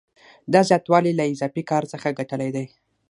دا زیاتوالی یې له اضافي کار څخه ګټلی دی